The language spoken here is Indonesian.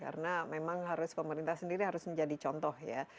karena memang harus pemerintah sendiri harus menjadi contoh ya